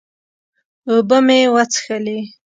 اوبۀ مې وڅښلې